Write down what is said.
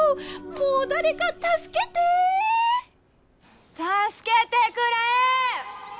もう誰か助けて！助けてくれ！